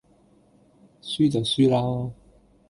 輸就輸喇